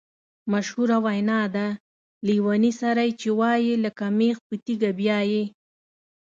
مشهوره وینا ده: لېوني سره یې چې وایې لکه مېخ په تیګه بیایې.